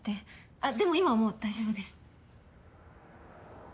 あっでも今はもう大丈夫です。